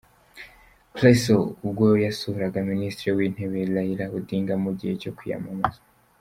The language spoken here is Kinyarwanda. Prezzo ubwo yasuraga Minisitiri w'Intebe Raila Odinga mu gihe cyo kwiyamamaza.